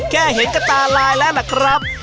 แค่เห็นก็ตาลายแล้วล่ะครับ